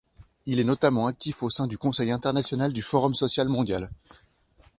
Il est notamment actif au sein du Conseil international du Forum social mondial.